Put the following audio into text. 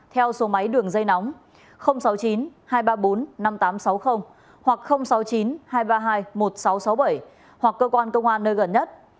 theo số máy đường dây nóng sáu mươi chín hai trăm ba mươi bốn năm nghìn tám trăm sáu mươi hoặc sáu mươi chín hai trăm ba mươi hai một nghìn sáu trăm sáu mươi bảy hoặc cơ quan công an nơi gần nhất